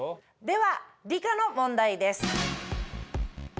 では理科の問題です。